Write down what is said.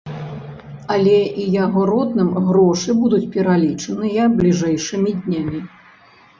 Але і яго родным грошы будуць пералічаныя бліжэйшымі днямі.